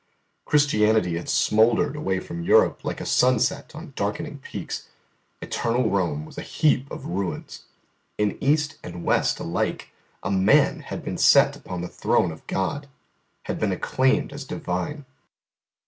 Christianity had smouldered away from Europe like a sunset on darkening peaks; Eternal Rome was a heap of ruins; in East and West alike a man had been set upon the throne of God, had been acclaimed as divine.